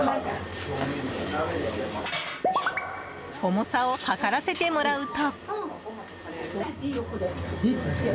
重さを量らせてもらうと。